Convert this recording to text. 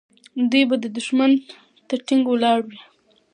دوی به دښمن ته ټینګ ولاړ وي.